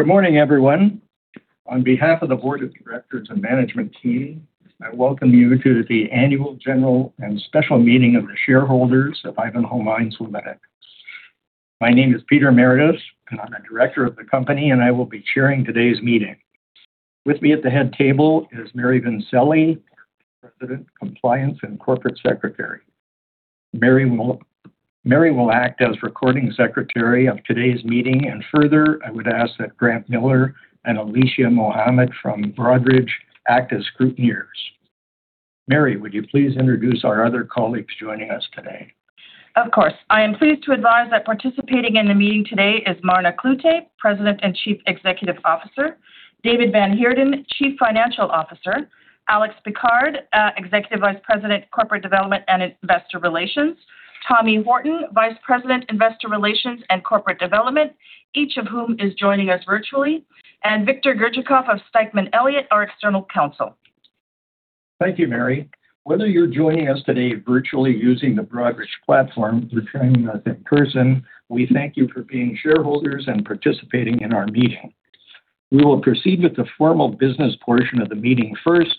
Good morning, everyone. On behalf of the board of directors and management team, I welcome you to the annual general and special meeting of the shareholders of Ivanhoe Mines Limited. My name is Peter Meredith, and I'm a Director of the company, and I will be chairing today's meeting. With me at the head table is Mary Vincelli, President, Compliance, and Corporate Secretary. Mary will act as recording secretary of today's meeting. Further, I would ask that Grant Miller and Alicia Mohammed from Broadridge act as scrutineers. Mary, would you please introduce our other colleagues joining us today? Of course. I am pleased to advise that participating in the meeting today is Marna Cloete, President and Chief Executive Officer, David van Heerden, Chief Financial Officer, Alex Pickard, Executive Vice President, Corporate Development, and Investor Relations, Tommy Horton, Vice President, Investor Relations and Corporate Development, each of whom is joining us virtually, and Victor Gerchikov of Stikeman Elliott, our external counsel. Thank you, Mary. Whether you're joining us today virtually using the Broadridge platform or joining us in person, we thank you for being shareholders and participating in our meeting. We will proceed with the formal business portion of the meeting first.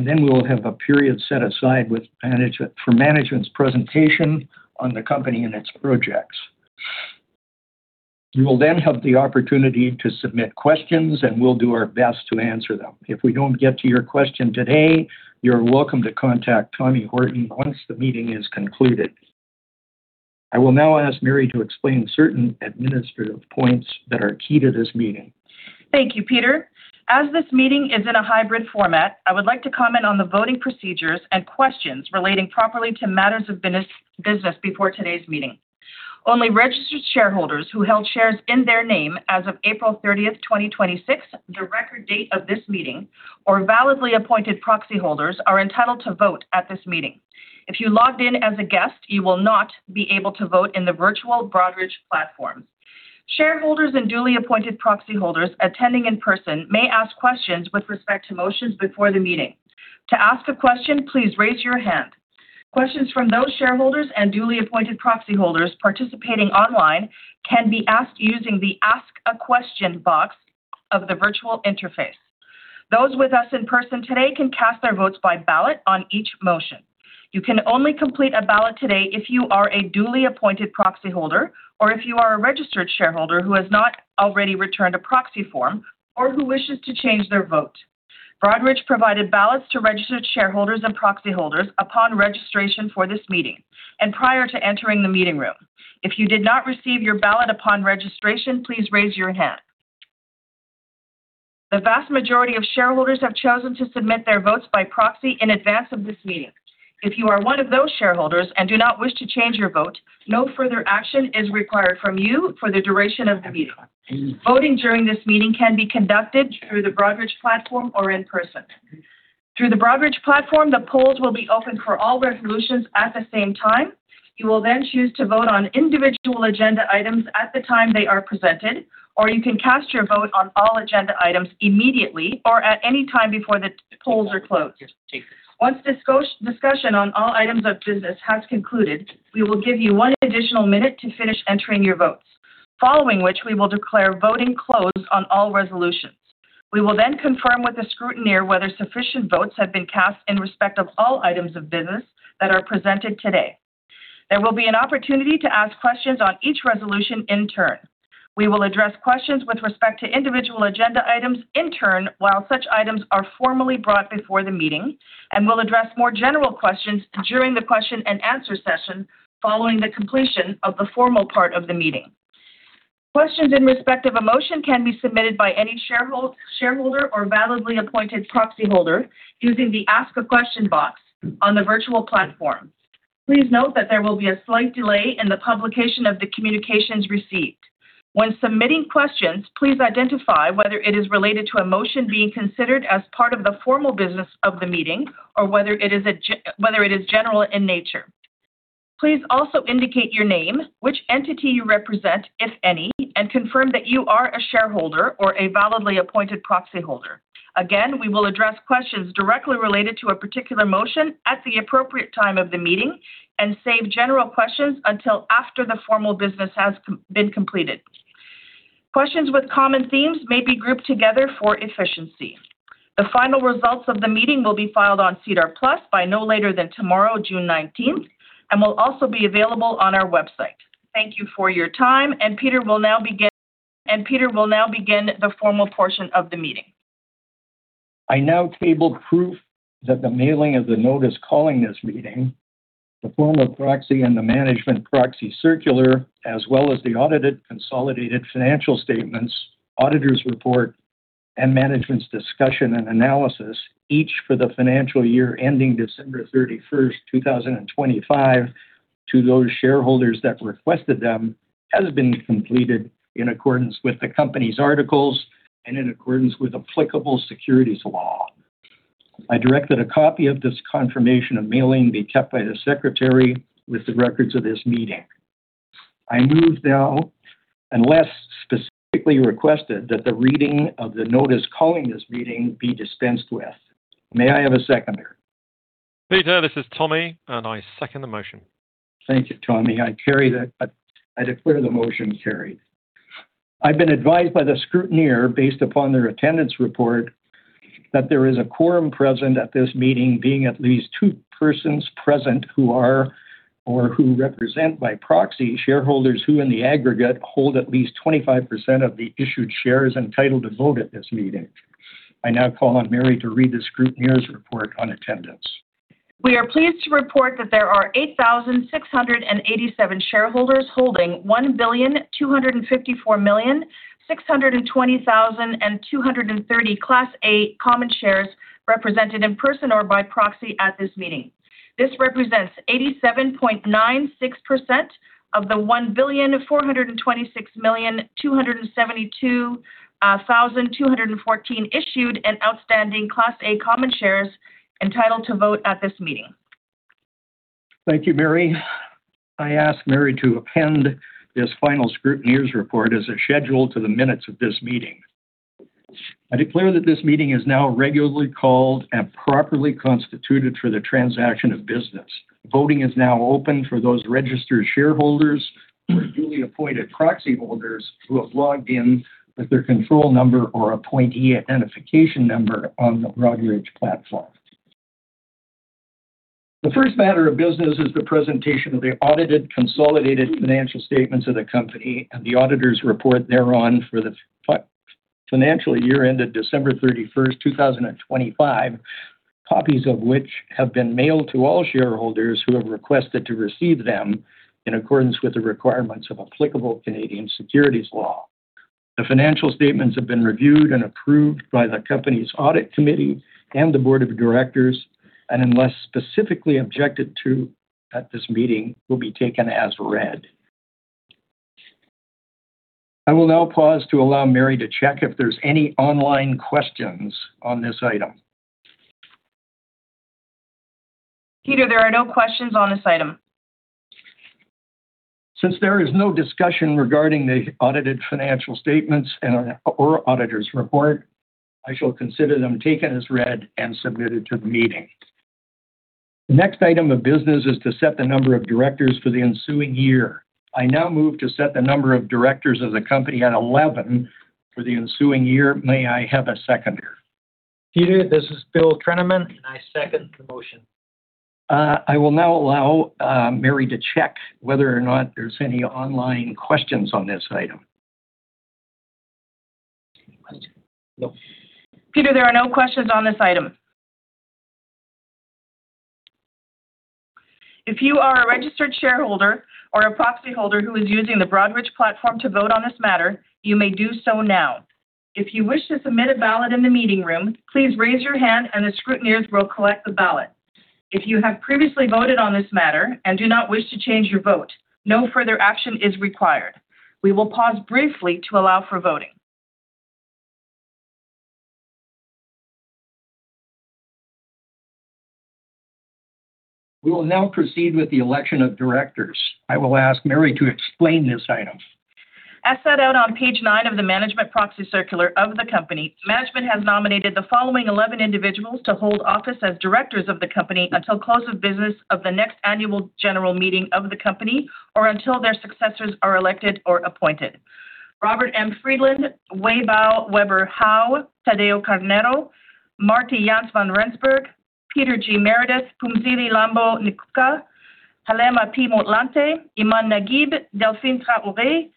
Then we will have a period set aside for management's presentation on the company and its projects. You will then have the opportunity to submit questions. We'll do our best to answer them. If we don't get to your question today, you're welcome to contact Tommy Horton once the meeting is concluded. I will now ask Mary to explain certain administrative points that are key to this meeting. Thank you, Peter. As this meeting is in a hybrid format, I would like to comment on the voting procedures and questions relating properly to matters of business before today's meeting. Only registered shareholders who held shares in their name as of April 30th, 2026, the record date of this meeting, or validly appointed proxy holders are entitled to vote at this meeting. If you logged in as a guest, you will not be able to vote in the virtual Broadridge platform. Shareholders and duly appointed proxy holders attending in person may ask questions with respect to motions before the meeting. To ask a question, please raise your hand. Questions from those shareholders and duly appointed proxy holders participating online can be asked using the Ask a Question box of the virtual interface. Those with us in person today can cast their votes by ballot on each motion. You can only complete a ballot today if you are a duly appointed proxy holder, or if you are a registered shareholder who has not already returned a proxy form, or who wishes to change their vote. Broadridge provided ballots to registered shareholders and proxy holders upon registration for this meeting and prior to entering the meeting room. If you did not receive your ballot upon registration, please raise your hand. The vast majority of shareholders have chosen to submit their votes by proxy in advance of this meeting. If you are one of those shareholders and do not wish to change your vote, no further action is required from you for the duration of the meeting. Voting during this meeting can be conducted through the Broadridge platform or in person. Through the Broadridge platform, the polls will be open for all resolutions at the same time. You will choose to vote on individual agenda items at the time they are presented, or you can cast your vote on all agenda items immediately or at any time before the polls are closed. Once discussion on all items of business has concluded, we will give you one additional minute to finish entering your votes, following which we will declare voting closed on all resolutions. We will confirm with the scrutineer whether sufficient votes have been cast in respect of all items of business that are presented today. There will be an opportunity to ask questions on each resolution in turn. We will address questions with respect to individual agenda items in turn while such items are formally brought before the meeting, and we'll address more general questions during the question-and-answer session following the completion of the formal part of the meeting. Questions in respect of a motion can be submitted by any shareholder or validly appointed proxy holder using the Ask a Question box on the virtual platform. Please note that there will be a slight delay in the publication of the communications received. When submitting questions, please identify whether it is related to a motion being considered as part of the formal business of the meeting or whether it is general in nature. Please also indicate your name, which entity you represent, if any, and confirm that you are a shareholder or a validly appointed proxy holder. Again, we will address questions directly related to a particular motion at the appropriate time of the meeting and save general questions until after the formal business has been completed. Questions with common themes may be grouped together for efficiency. The final results of the meeting will be filed on SEDAR+ by no later than tomorrow, June 19th, and will also be available on our website. Thank you for your time, Peter will now begin the formal portion of the meeting. I now table proof that the mailing of the notice calling this meeting, the form of proxy, and the Management Proxy Circular, as well as the audited consolidated financial statements, Auditors Report, and Management's Discussion and Analysis, each for the financial year ending December 31st, 2025 to those shareholders that requested them, has been completed in accordance with the company's articles and in accordance with applicable securities law. I direct that a copy of this confirmation of mailing be kept by the secretary with the records of this meeting. I move now, unless specifically requested, that the reading of the notice calling this meeting be dispensed with. May I have a seconder? Peter, this is Tommy. I second the motion. Thank you, Tommy. I declare the motion carried. I've been advised by the scrutineer, based upon their attendance report, that there is a quorum present at this meeting, being at least two persons present who are, or who represent by proxy, shareholders who, in the aggregate, hold at least 25% of the issued shares entitled to vote at this meeting. I now call on Mary to read the scrutineer's report on attendance. We are pleased to report that there are 8,687 shareholders holding 1,254,620,230 Class A Common Shares represented in person or by proxy at this meeting. This represents 87.96% of the 1,426,272,214 issued and outstanding Class A Common Shares entitled to vote at this meeting. Thank you, Mary. I ask Mary to append this final scrutineer's report as a schedule to the minutes of this meeting. I declare that this meeting is now regularly called and properly constituted for the transaction of business. Voting is now open for those registered shareholders or duly appointed proxy holders who have logged in with their control number or appointee identification number on the Broadridge platform. The first matter of business is the presentation of the audited consolidated financial statements of the company and the auditor's report thereon for the financial year ended December 31st, 2025, copies of which have been mailed to all shareholders who have requested to receive them in accordance with the requirements of applicable Canadian securities law. The financial statements have been reviewed and approved by the company's audit committee and the board of directors, unless specifically objected to at this meeting, will be taken as read. I will now pause to allow Mary to check if there's any online questions on this item. Peter, there are no questions on this item. Since there is no discussion regarding the audited financial statements or auditor's report, I shall consider them taken as read and submitted to the meeting. The next item of business is to set the number of directors for the ensuing year. I now move to set the number of directors of the company at 11 for the ensuing year. May I have a seconder? Peter, this is Bill Trenaman. I second the motion. I will now allow Mary to check whether or not there's any online questions on this item. Peter, there are no questions on this item. If you are a registered shareholder or a proxy holder who is using the Broadridge platform to vote on this matter, you may do so now. If you wish to submit a ballot in the meeting room, please raise your hand and the scrutineers will collect the ballot. If you have previously voted on this matter and do not wish to change your vote, no further action is required. We will pause briefly to allow for voting. We will now proceed with the election of directors. I will ask Mary to explain this item. As set out on page nine of the management proxy circular of the company, management has nominated the following 11 individuals to hold office as directors of the company until close of business of the next annual general meeting of the company, or until their successors are elected or appointed. Robert M. Friedland, Weibao Hao, Tadeu Carneiro, Martie Janse van Rensburg, Peter G. Meredith, Phumzile Mlambo-Ngcuka, Kgalema Motlanthe, Iman Naguib, Delphine Traoré,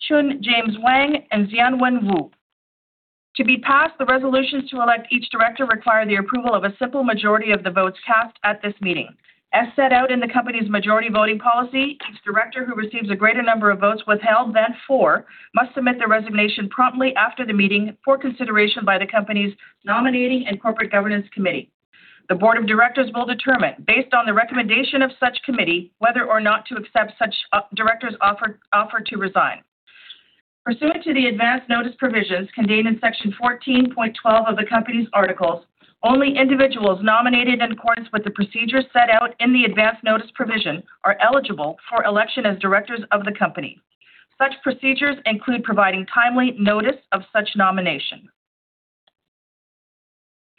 Chun James Wang, and Xianwen Wu. To be passed, the resolutions to elect each director require the approval of a simple majority of the votes cast at this meeting. As set out in the company's majority voting policy, each director who receives a greater number of votes withheld than for must submit their resignation promptly after the meeting for consideration by the company's nominating and corporate governance committee. The board of directors will determine, based on the recommendation of such committee, whether or not to accept such director's offer to resign. Pursuant to the advanced notice provisions contained in Section 14.12 of the company's articles, only individuals nominated in accordance with the procedures set out in the advanced notice provision are eligible for election as directors of the company. Such procedures include providing timely notice of such nomination.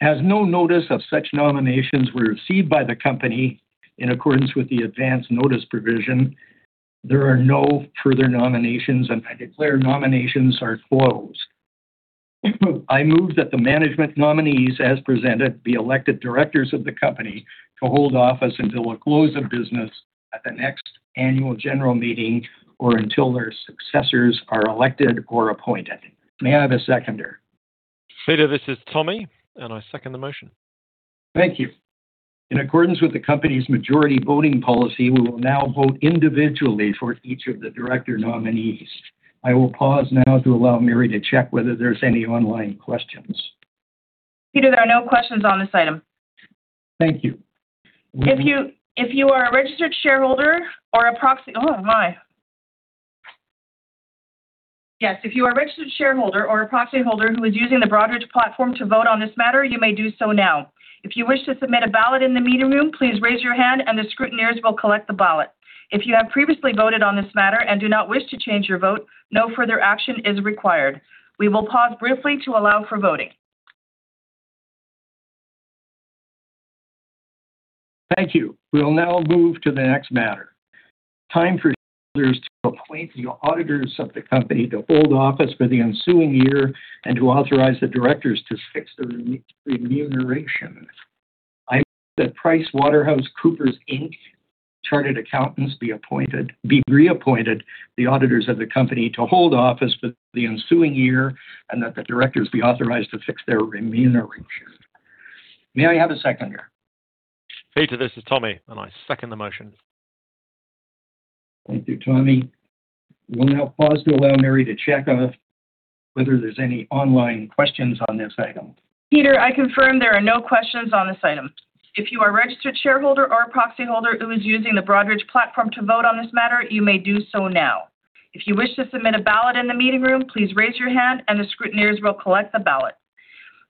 As no notice of such nominations were received by the company in accordance with the advance notice provision, there are no further nominations, and I declare nominations are closed. I move that the management nominees, as presented, be elected directors of the company to hold office until the close of business at the next annual general meeting or until their successors are elected or appointed. May I have a seconder? Peter, this is Tommy, and I second the motion. Thank you. In accordance with the company's majority voting policy, we will now vote individually for each of the director nominees. I will pause now to allow Mary to check whether there's any online questions. Peter, there are no questions on this item. Thank you. If you are a registered shareholder or a proxy holder who is using the Broadridge platform to vote on this matter, you may do so now. If you wish to submit a ballot in the meeting room, please raise your hand and the scrutineers will collect the ballot. If you have previously voted on this matter and do not wish to change your vote, no further action is required. We will pause briefly to allow for voting. Thank you. We will now move to the next matter. Time for shareholders to appoint the auditors of the company to hold office for the ensuing year and to authorize the directors to fix their remuneration. I move that PricewaterhouseCoopers Inc. Chartered Accountants be reappointed the auditors of the company to hold office for the ensuing year, and that the directors be authorized to fix their remuneration. May I have a seconder? Peter, this is Tommy, and I second the motion. Thank you, Tommy. We'll now pause to allow Mary to check on whether there's any online questions on this item. Peter, I confirm there are no questions on this item. If you are a registered shareholder or a proxy holder who is using the Broadridge platform to vote on this matter, you may do so now. If you wish to submit a ballot in the meeting room, please raise your hand and the scrutineers will collect the ballot.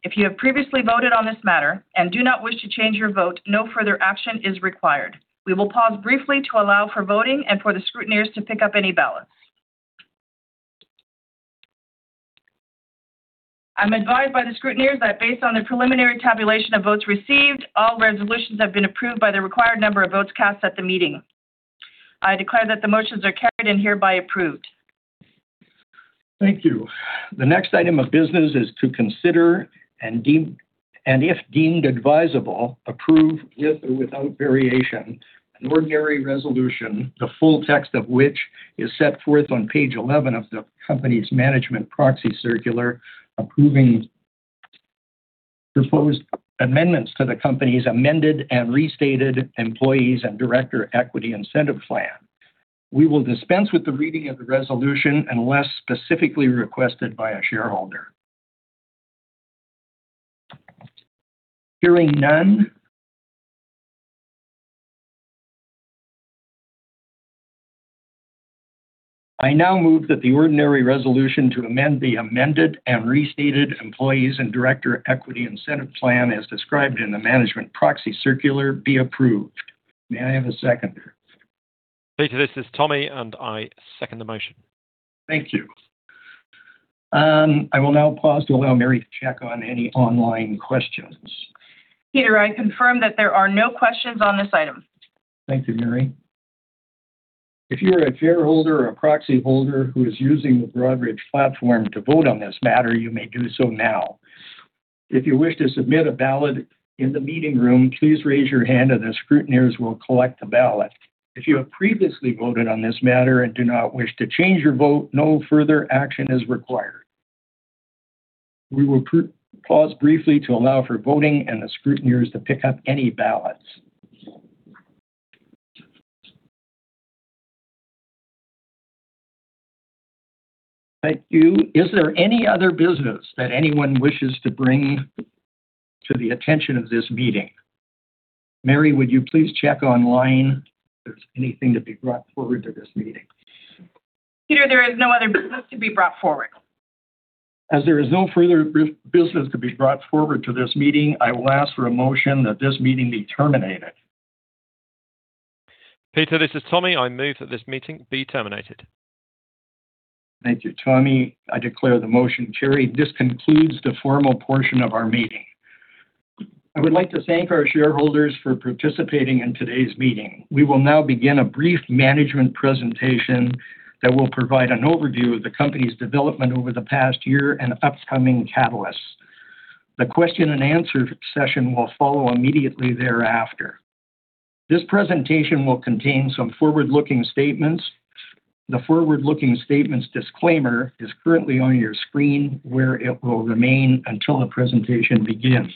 If you have previously voted on this matter and do not wish to change your vote, no further action is required. We will pause briefly to allow for voting and for the scrutineers to pick up any ballots. I'm advised by the scrutineers that based on the preliminary tabulation of votes received, all resolutions have been approved by the required number of votes cast at the meeting. I declare that the motions are carried and hereby approved. Thank you. The next item of business is to consider, and if deemed advisable, approve, with or without variation, an ordinary resolution, the full text of which is set forth on page 11 of the company's management proxy circular, approving proposed amendments to the company's amended and restated Employees and Director Equity Incentive Plan. We will dispense with the reading of the resolution unless specifically requested by a shareholder. Hearing none, I now move that the ordinary resolution to amend the amended and restated Employees and Director Equity Incentive Plan as described in the management proxy circular be approved. May I have a seconder? Peter, this is Tommy. I second the motion. Thank you. I will now pause to allow Mary to check on any online questions. Peter, I confirm that there are no questions on this item. Thank you, Mary. If you're a shareholder or proxy holder who is using the Broadridge platform to vote on this matter, you may do so now. If you wish to submit a ballot in the meeting room, please raise your hand and the scrutineers will collect the ballot. If you have previously voted on this matter and do not wish to change your vote, no further action is required. We will pause briefly to allow for voting and the scrutineers to pick up any ballots. Thank you. Is there any other business that anyone wishes to bring to the attention of this meeting? Mary, would you please check online if there's anything to be brought forward to this meeting? Peter, there is no other business to be brought forward. As there is no further business to be brought forward to this meeting, I will ask for a motion that this meeting be terminated. Peter, this is Tommy. I move that this meeting be terminated. Thank you, Tommy. I declare the motion carried. This concludes the formal portion of our meeting. I would like to thank our shareholders for participating in today's meeting. We will now begin a brief management presentation that will provide an overview of the company's development over the past year and upcoming catalysts. The question-and-answer session will follow immediately thereafter. This presentation will contain some forward-looking statements. The forward-looking statements disclaimer is currently on your screen, where it will remain until the presentation begins.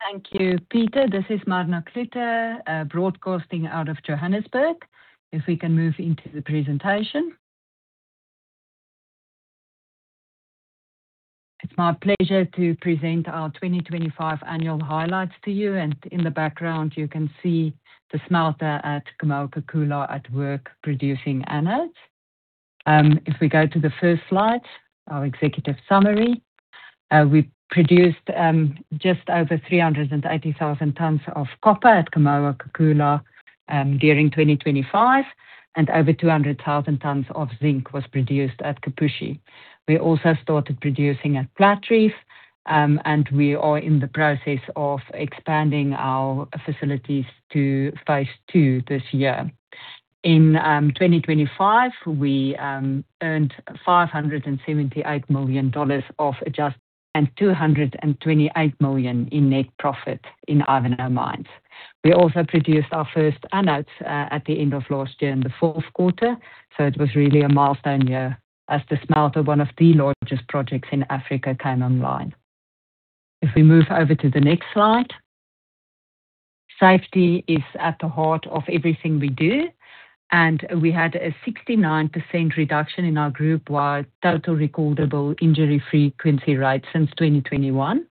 Thank you, Peter. This is Marna Cloete, broadcasting out of Johannesburg. If we can move into the presentation. It's my pleasure to present our 2025 annual highlights to you, and in the background, you can see the smelter at Kamoa-Kakula at work producing anodes. If we go to the first slide, our executive summary. We produced just over 380,000 tons of copper at Kamoa-Kakula during 2025, and over 200,000 tons of zinc was produced at Kipushi. We also started producing at Platreef, and we are in the process of expanding our facilities to phase II this year. In 2025, we earned $578 million of adjust, and $228 million in net profit in Ivanhoe Mines. We also produced our first anodes at the end of last year in the fourth quarter. It was really a milestone year as the smelter, one of the largest projects in Africa, came online. We move over to the next slide. Safety is at the heart of everything we do, and we had a 69% reduction in our group-wide total recordable injury frequency rate since 2021.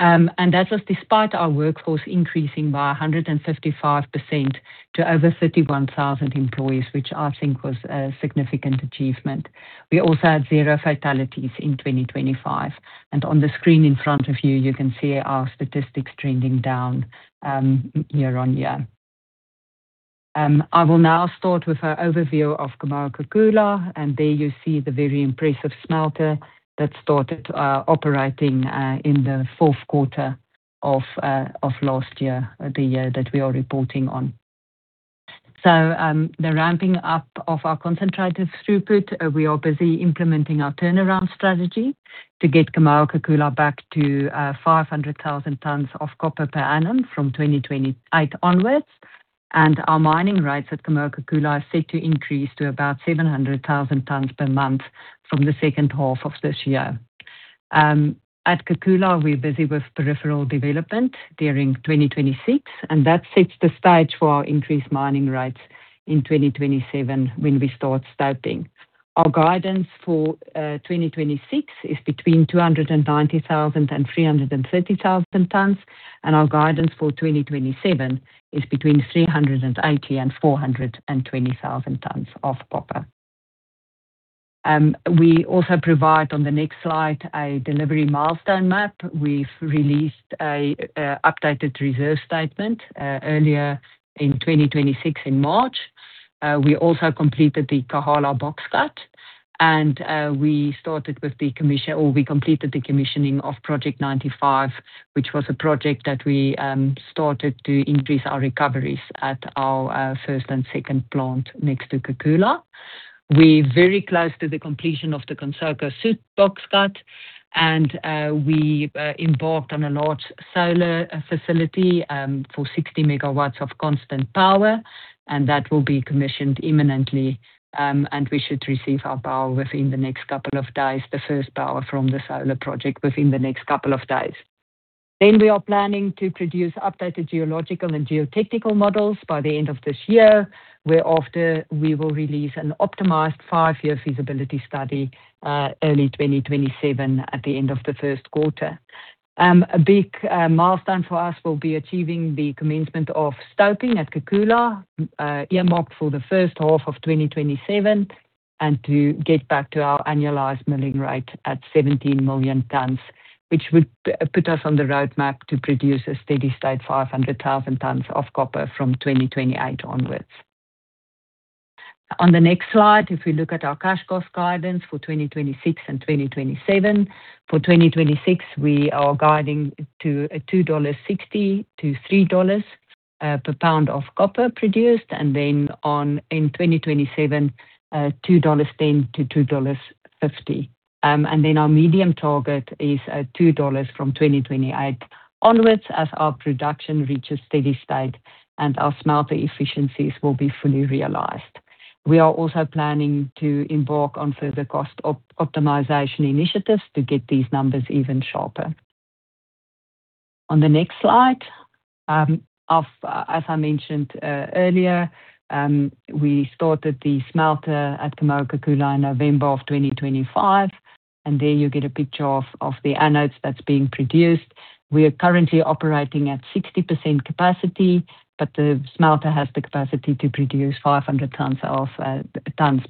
That was despite our workforce increasing by 155% to over 31,000 employees, which I think was a significant achievement. We also had zero fatalities in 2025. On the screen in front of you can see our statistics trending down year on year. I will now start with our overview of Kamoa-Kakula, and there you see the very impressive smelter that started operating in the fourth quarter of last year, the year that we are reporting on. The ramping up of our concentrative throughput. We are busy implementing our turnaround strategy to get Kamoa-Kakula back to 500,000 tons of copper per annum from 2028 onwards. Our mining rates at Kamoa-Kakula are set to increase to about 700,000 tons per month from the second half of this year. At Kakula, we're busy with peripheral development during 2026. That sets the stage for our increased mining rates in 2027 when we start stoping. Our guidance for 2026 is between 290,000 tons and 330,000 tons, and our guidance for 2027 is between 380,000 tons and 420,000 tons of copper. We also provide on the next slide a delivery milestone map. We've released an updated reserve statement earlier in 2026 in March. We also completed the Kakula box cut, and we completed the commissioning of Project 95, which was a project that we started to increase our recoveries at our first and second plant next to Kakula. We're very close to the completion of the Kansoko Sud box cut. We embarked on a large solar facility for 60 MW of constant power. That will be commissioned imminently. We should receive our power within the next couple of days, the first power from the solar project within the next couple of days. We are planning to produce updated geological and geotechnical models by the end of this year, whereafter we will release an optimized five-year feasibility study, early 2027, at the end of the first quarter. A big milestone for us will be achieving the commencement of stoping at Kakula, earmarked for the first half of 2027. To get back to our annualized milling rate at 17 million tons, which would put us on the roadmap to produce a steady-state 500,000 tons of copper from 2028 onwards. On the next slide, we look at our cash cost guidance for 2026 and 2027. For 2026, we are guiding to $2.60-$3 per pound of copper produced, and in 2027, $2.10-$2.50. Our medium target is at $2 from 2028 onwards as our production reaches steady state and our smelter efficiencies will be fully realized. We are also planning to embark on further cost optimization initiatives to get these numbers even sharper. On the next slide, as I mentioned earlier, we started the smelter at Kamoa-Kakula in November of 2025, and there you get a picture of the anodes that's being produced. We are currently operating at 60% capacity, but the smelter has the capacity to produce 500 tons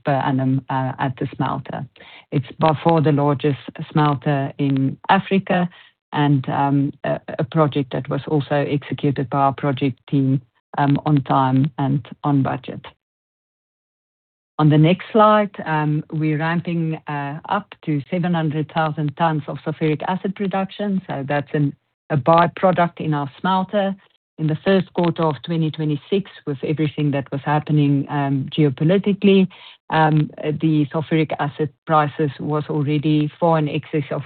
per annum at the smelter. It's by far the largest smelter in Africa and a project that was also executed by our project team on time and on budget. On the next slide, we're ramping up to 700,000 tons of sulfuric acid production. That's a byproduct in our smelter. In the first quarter of 2026, with everything that was happening geopolitically, the sulfuric acid prices was already far in excess of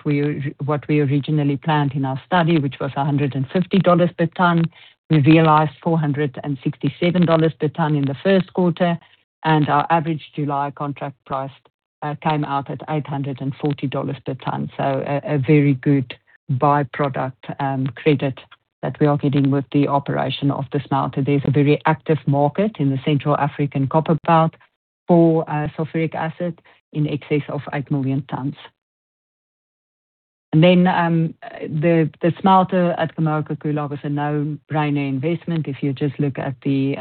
what we originally planned in our study, which was $150 per ton. We realized $467 per ton in the first quarter, our average July contract price came out at $840 per ton. A very good byproduct credit that we are getting with the operation of the smelter. There's a very active market in the Central African Copper Belt for sulfuric acid in excess of 8 million tons. The smelter at Kamoa-Kakula was a no-brainer investment if you just look at the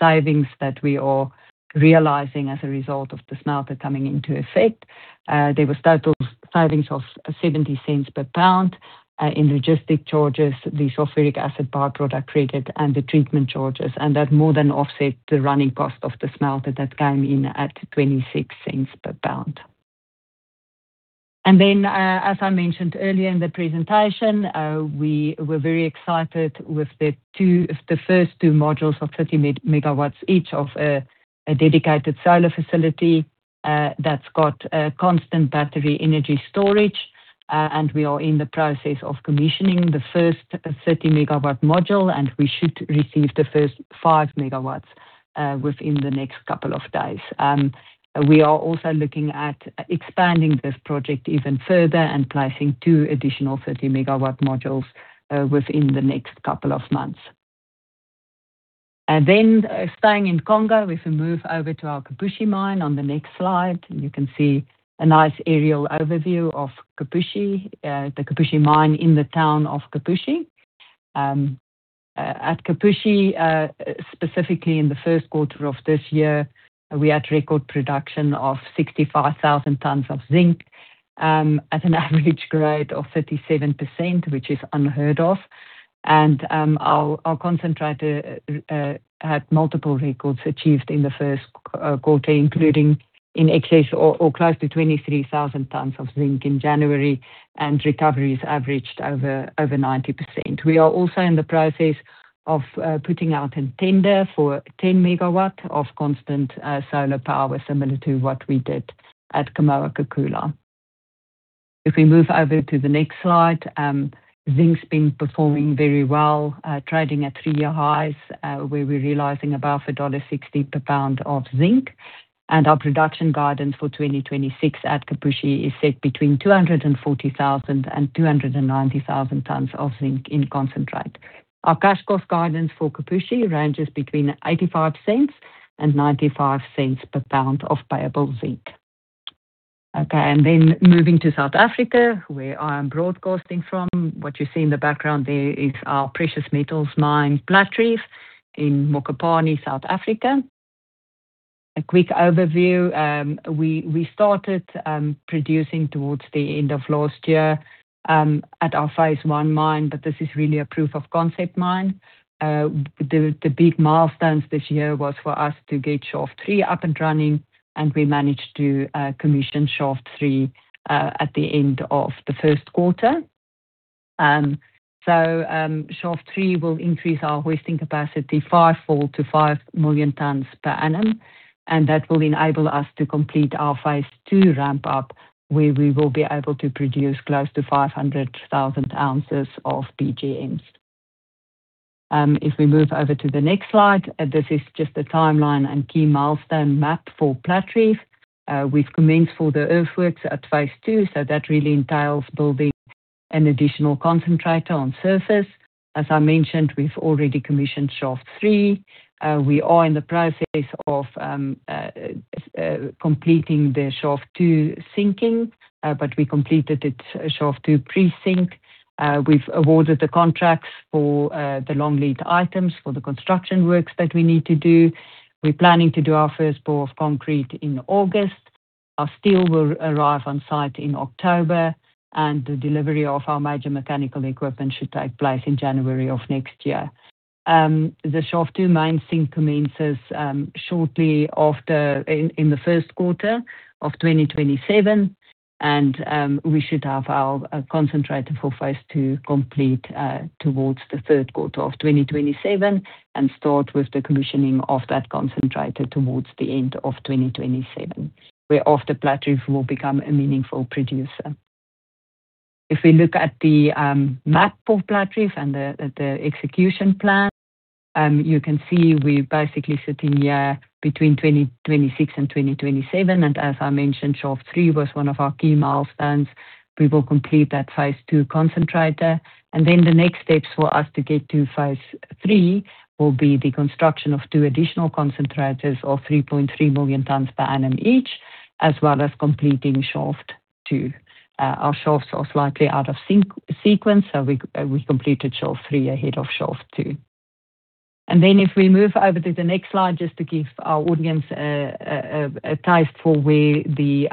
savings that we are realizing as a result of the smelter coming into effect. There was total savings of $0.70 per pound in logistic charges, the sulfuric acid byproduct credit, and the treatment charges, that more than offset the running cost of the smelter that came in at $0.26 per pound. As I mentioned earlier in the presentation, we were very excited with the first two modules of 30 MW each of a dedicated solar facility that's got constant battery energy storage. We are in the process of commissioning the first 30 MW module, we should receive the first 5 MW within the next couple of days. We are also looking at expanding this project even further and placing two additional 30 mw modules within the next couple of months. Staying in Congo, if we move over to our Kipushi mine on the next slide, you can see a nice aerial overview of Kipushi, the Kipushi mine in the town of Kipushi. At Kipushi, specifically in the first quarter of this year, we had record production of 65,000 tons of zinc At an average grade of 37%, which is unheard of. Our concentrator had multiple records achieved in the first quarter, including in excess or close to 23,000 tonnes of zinc in January, and recoveries averaged over 90%. We are also in the process of putting out a tender for 10 MW of constant solar power, similar to what we did at Kamoa-Kakula. If we move over to the next slide, zinc's been performing very well, trading at three-year highs, where we're realizing above $1.60 per pound of zinc. Our production guidance for 2026 at Kipushi is set between 240,000 and 290,000 tonnes of zinc in concentrate. Our cash cost guidance for Kipushi ranges between $0.85 and $0.95 per pound of payable zinc. Moving to South Africa, where I am broadcasting from. What you see in the background there is our precious metals mine, Platreef, in Mokopane, South Africa. A quick overview. We started producing towards the end of last year at our phase I mine, but this is really a proof of concept mine. The big milestones this year was for us to get shaft three up and running, and we managed to commission shaft three at the end of the first quarter. shaft three will increase our hoisting capacity fivefold to 5 million tonnes per annum, and that will enable us to complete our phase II ramp up, where we will be able to produce close to 500,000 ounces of PGMs. If we move over to the next slide, this is just a timeline and key milestone map for Platreef. We've commenced for the earthworks at phase II, that really entails building an additional concentrator on surface. As I mentioned, we've already commissioned shaft three. We are in the process of completing the shaft two sinking, we completed its shaft two pre-sink. We've awarded the contracts for the long lead items for the construction works that we need to do. We're planning to do our first pour of concrete in August. Our steel will arrive on site in October, and the delivery of our major mechanical equipment should take place in January of next year. The shaft two mine sink commences shortly after in the first quarter of 2027, and we should have our concentrator for phase II complete towards the third quarter of 2027 and start with the commissioning of that concentrator towards the end of 2027, whereafter Platreef will become a meaningful producer. If we look at the map of Platreef and the execution plan, you can see we're basically sitting here between 2026 and 2027. As I mentioned, shaft three was one of our key milestones. We will complete that phase II concentrator, the next steps for us to get to phase III will be the construction of two additional concentrators of 3.3 million tonnes per annum each, as well as completing shaft two. Our shafts are slightly out of sequence, we completed shaft three ahead of shaft two. If we move over to the next slide, just to give our audience a taste for where the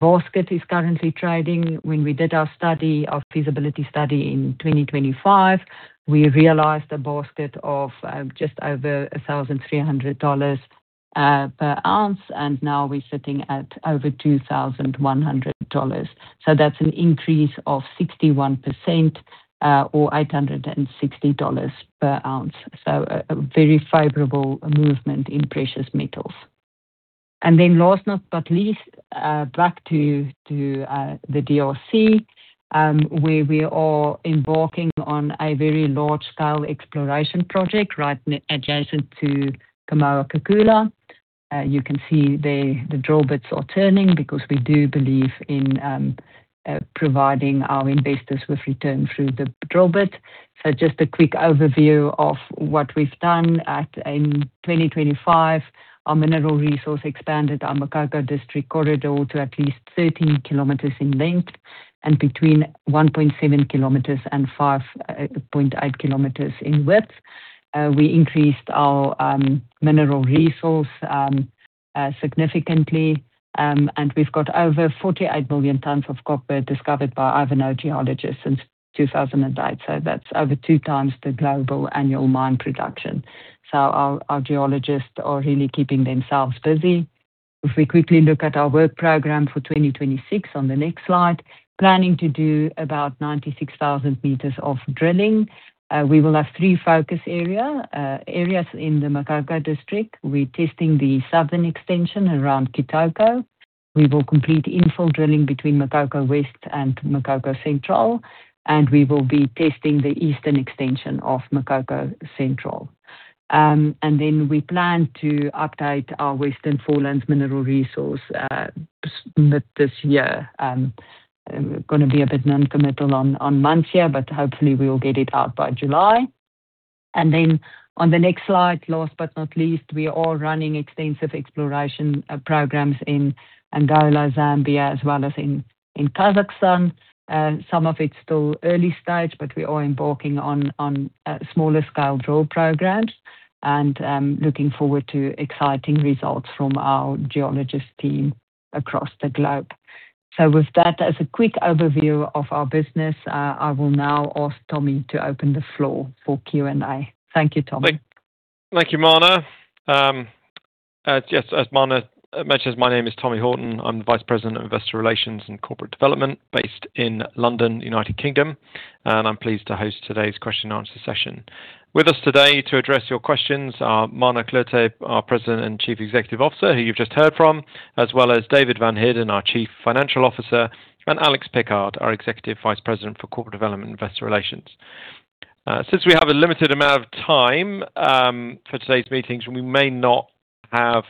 basket is currently trading. When we did our feasibility study in 2025, we realized a basket of just over $1,300 per ounce, now we're sitting at over $2,100. That's an increase of 61% or $860 per ounce. A very favorable movement in precious metals. Last but not least, back to the DRC, where we are embarking on a very large-scale exploration project right adjacent to Kamoa-Kakula. You can see there the drill bits are turning because we do believe in providing our investors with return through the drill bit. Just a quick overview of what we've done in 2025. Our mineral resource expanded our Makoko District Corridor to at least 30 km in length and between 1.7 km and 5.8 km in width. We increased our mineral resource significantly, we've got over 48 million tonnes of copper discovered by our Ivanhoe geologists since 2008. That's over two times the global annual mine production. Our geologists are really keeping themselves busy. If we quickly look at our work program for 2026 on the next slide, planning to do about 96,000 m of drilling. We will have three focus areas in the Makoko District. We're testing the southern extension around Kitoko. We will complete infill drilling between Makoko West and Makoko Central, we will be testing the eastern extension of Makoko Central. We plan to update our Western Forelands mineral resource this year. Going to be a bit non-committal on months here, but hopefully we'll get it out by July. On the next slide, last but not least, we are running extensive exploration programs in Angola, Zambia, as well as in Kazakhstan. Some of it's still early stage, but we are embarking on smaller scale drill programs and looking forward to exciting results from our geologist team across the globe. With that as a quick overview of our business, I will now ask Tommy to open the floor for Q&A. Thank you, Tommy. Thank you, Marna. Yes. As Marna mentions, my name is Tommy Horton. I'm Vice President of Investor Relations and Corporate Development based in London, United Kingdom, and I'm pleased to host today's question-and-answer session. With us today to address your questions are Marna Cloete, our President and Chief Executive Officer, who you've just heard from, as well as David van Heerden, our Chief Financial Officer, and Alex Pickard, our Executive Vice President for Corporate Development Investor Relations. Since we have a limited amount of time for today's meetings, we may not have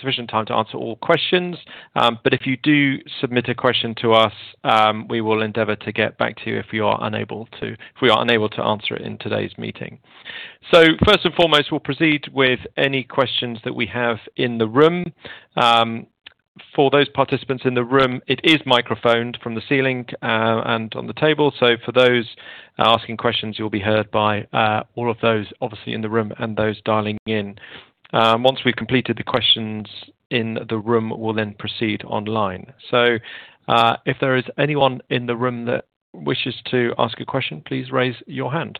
sufficient time to answer all questions. If you do submit a question to us, we will endeavor to get back to you if we are unable to answer it in today's meeting. First and foremost, we'll proceed with any questions that we have in the room. For those participants in the room, it is microphoned from the ceiling and on the table. For those asking questions, you'll be heard by all of those, obviously, in the room and those dialing in. Once we've completed the questions in the room, we'll then proceed online. If there is anyone in the room that wishes to ask a question, please raise your hand.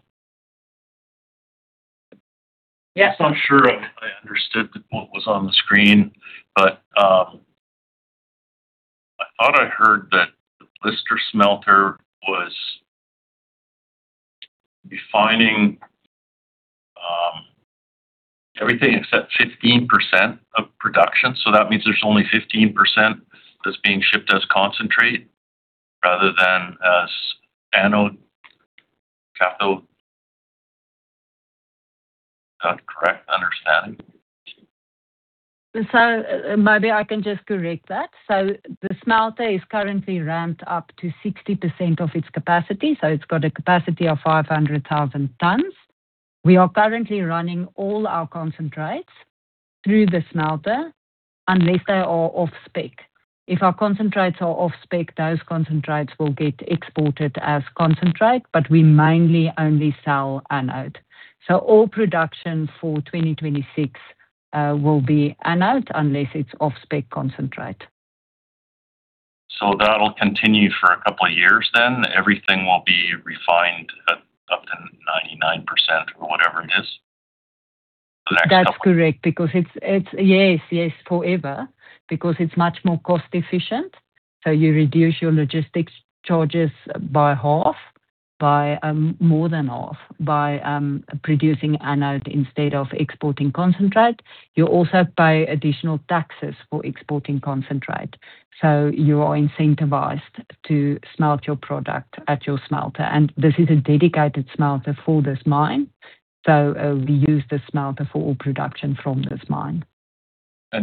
Yes. I'm not sure if I understood what was on the screen, I thought I heard that the blister smelter was refining everything except 15% of production. That means there's only 15% that's being shipped as concentrate rather than as anode cathode. Is that a correct understanding? Maybe I can just correct that. The smelter is currently ramped up to 60% of its capacity. It's got a capacity of 500,000 tons. We are currently running all our concentrates through the smelter unless they are off-spec. If our concentrates are off-spec, those concentrates will get exported as concentrate, but we mainly only sell anode. All production for 2026 will be anode unless it's off-spec concentrate. That'll continue for a couple of years then? Everything will be refined at up to 99% or whatever it is? That's correct. Yes. Forever, because it's much more cost efficient. You reduce your logistics charges by more than half by producing anode instead of exporting concentrate. You also pay additional taxes for exporting concentrate. You are incentivized to smelt your product at your smelter. This is a dedicated smelter for this mine. We use the smelter for all production from this mine.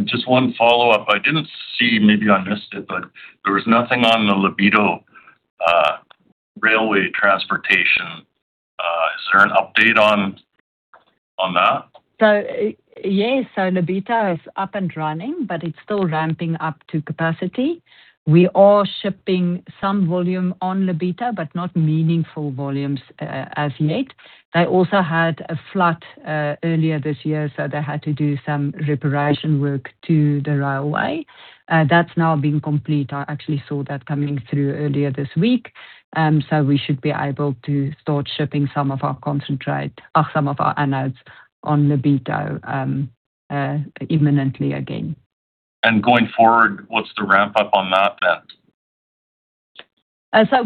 Just one follow-up. I didn't see, maybe I missed it, but there was nothing on the Lobito railway transportation. Is there an update on that? Yes. Lobito is up and running, but it's still ramping up to capacity. We are shipping some volume on Lobito, but not meaningful volumes as yet. They also had a flood earlier this year, so they had to do some reparation work to the railway. That's now been complete. I actually saw that coming through earlier this week. We should be able to start shipping some of our anodes on Lobito imminently again. Going forward, what's the ramp up on that then?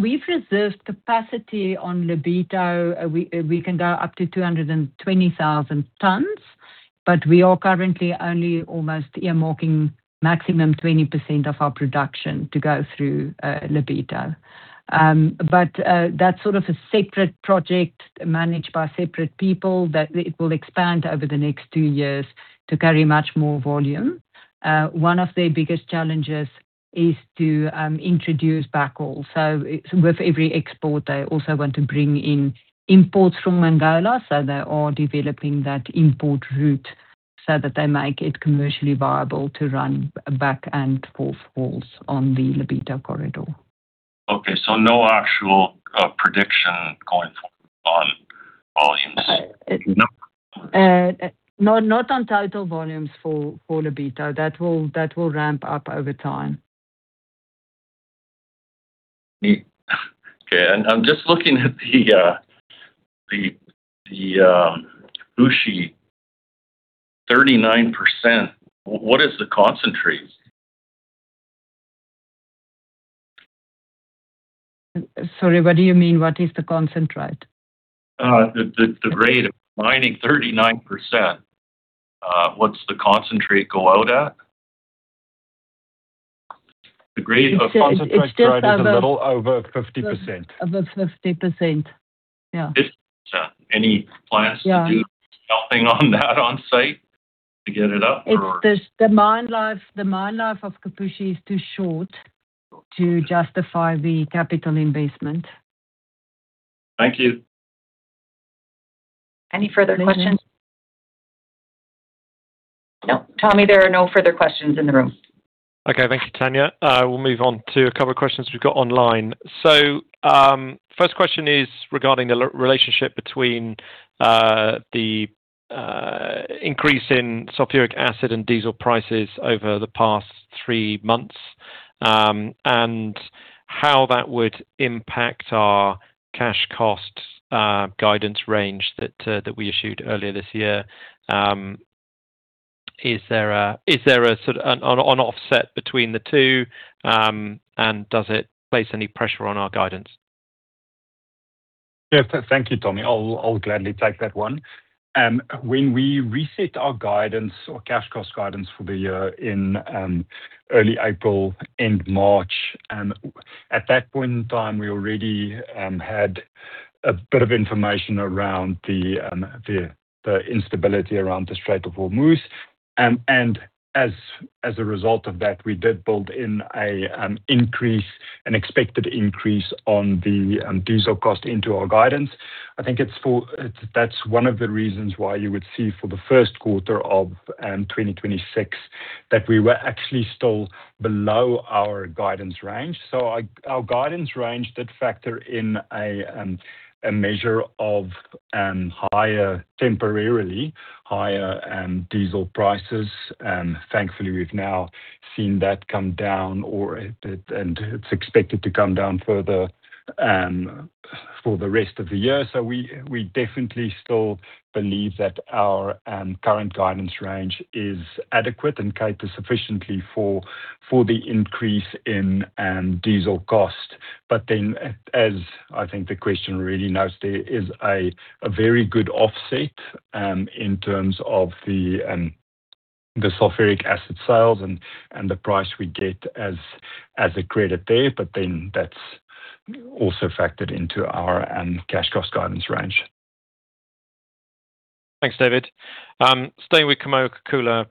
We've reserved capacity on Lobito. We can go up to 220,000 tons, but we are currently only almost earmarking maximum 20% of our production to go through Lobito. That's sort of a separate project managed by separate people that it will expand over the next two years to carry much more volume. One of their biggest challenges is to introduce backhauls. With every export, they also want to bring in imports from Angola. They are developing that import route so that they make it commercially viable to run back and forth hauls on the Lobito corridor. Okay. No actual prediction going forward on volumes? No. Not on total volumes for Lobito. That will ramp up over time. Okay. I'm just looking at the Kipushi 39%. What is the concentrate? Sorry, what do you mean what is the concentrate? The grade of mining 39%. What's the concentrate go out at? The grade of concentrate is a little over 50%. Over 50%. Yeah. 50%. Any plans to do something on that on-site to get it up? The mine life of Kipushi is too short to justify the capital investment. Thank you. Any further questions? No. Tommy, there are no further questions in the room. Okay. Thank you, Tanya. We'll move on to a couple of questions we've got online. First question is regarding the relationship between the increase in sulfuric acid and diesel prices over the past three months, and how that would impact our cash cost guidance range that we issued earlier this year. Is there an offset between the two, and does it place any pressure on our guidance? Yeah. Thank you, Tommy. I'll gladly take that one. When we reset our guidance or cash cost guidance for the year in early April, end March, at that point in time, we already had a bit of information around the instability around the Strait of Hormuz. As a result of that, we did build in an expected increase on the diesel cost into our guidance. I think that's one of the reasons why you would see for the first quarter of 2026 that we were actually still below our guidance range. Our guidance range did factor in a measure of temporarily higher diesel prices. Thankfully, we've now seen that come down, and it's expected to come down further for the rest of the year. We definitely still believe that our current guidance range is adequate and caters sufficiently for the increase in diesel cost. As I think the question really notes, there is a very good offset in terms of the sulfuric acid sales and the price we get as a credit there. That's also factored into our cash cost guidance range. Thanks, David. Staying with Kamoa-Kakula,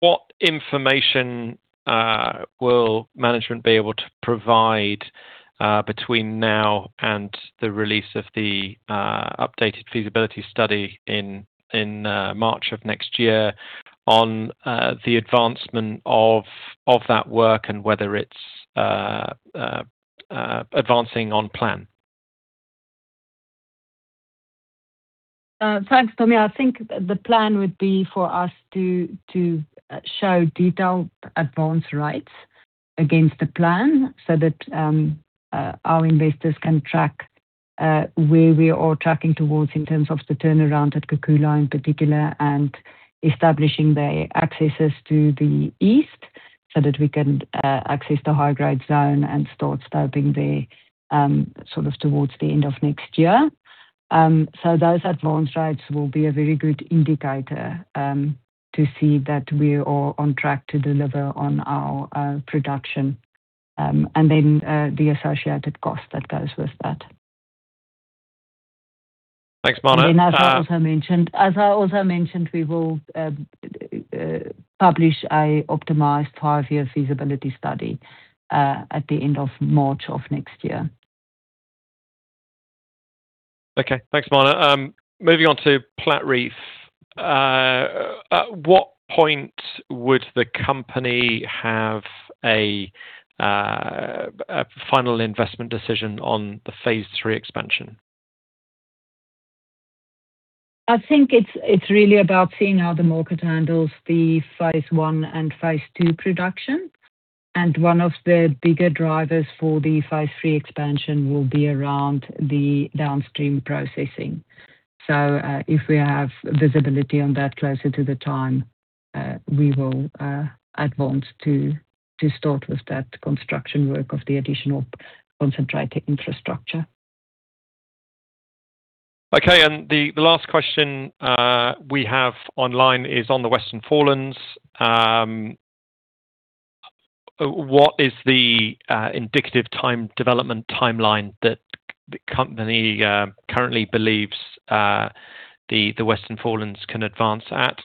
what information will management be able to provide between now and the release of the updated feasibility study in March of next year on the advancement of that work and whether it's advancing on plan? Thanks, Tommy. I think the plan would be for us to show detailed advance rates against the plan so that our investors can track where we are tracking towards in terms of the turnaround at Kakula in particular and establishing the accesses to the east so that we can access the high-grade zone and start stopping there towards the end of next year. Those advance rates will be a very good indicator to see that we are on track to deliver on our production, and then the associated cost that goes with that. Thanks, Marna. As I also mentioned, we will publish an optimized five-year feasibility study at the end of March of next year. Okay. Thanks, Marna. Moving on to Platreef. At what point would the company have a final investment decision on the phase III expansion? I think it's really about seeing how the market handles the phase I and phase II production. One of the bigger drivers for the phase III expansion will be around the downstream processing. If we have visibility on that closer to the time, we will advance to start with that construction work of the additional concentrate infrastructure. Okay. The last question we have online is on the Western Forelands. What is the indicative development timeline that the company currently believes the Western Forelands can advance at?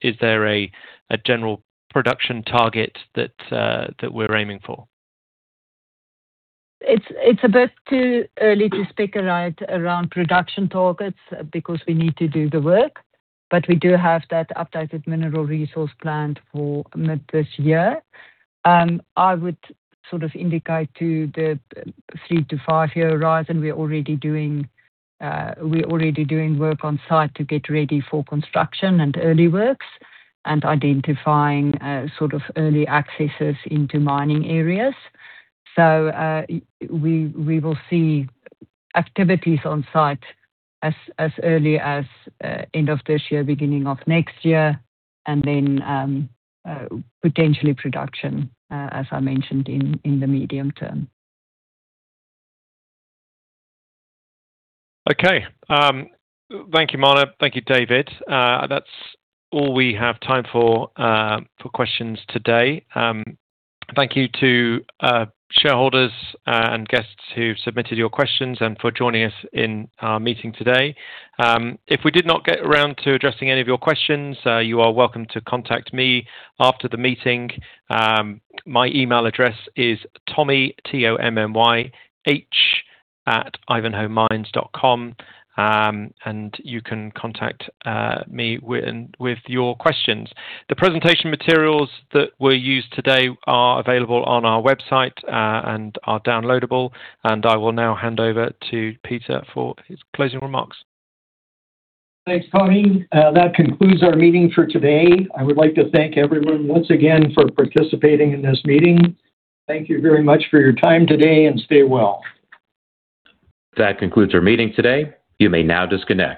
Is there a general production target that we're aiming for? It's a bit too early to speculate around production targets because we need to do the work. We do have that updated mineral resource plan for mid this year. I would indicatfe to the three to five-year horizon, we're already doing work on-site to get ready for construction and early works and identifying early accesses into mining areas. We will see activities on site as early as end of this year, beginning of next year, and then potentially production, as I mentioned, in the medium term. Okay. Thank you, Marna. Thank you, David. That's all we have time for questions today. Thank you to shareholders and guests who submitted your questions and for joining us in our meeting today. If we did not get around to addressing any of your questions, you are welcome to contact me after the meeting. My email address is tommyh@ivanhoemines.com, and you can contact me with your questions. The presentation materials that were used today are available on our website and are downloadable. I will now hand over to Peter for his closing remarks. Thanks, Tommy. That concludes our meeting for today. I would like to thank everyone once again for participating in this meeting. Thank you very much for your time today, and stay well. That concludes our meeting today. You may now disconnect.